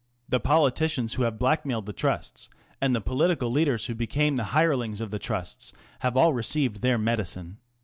The politicians who have blackmailed the Trusts, and the political leaders who became the hirelings of the Trusts, have all received their medicine.